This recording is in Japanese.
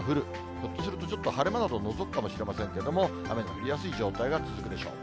ひょっとすると、ちょっと晴れ間などのぞくかもしれませんけれども、雨の降りやすい状態が続くでしょう。